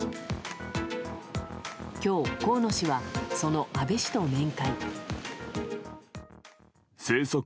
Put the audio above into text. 今日、河野氏はその安倍氏と面会。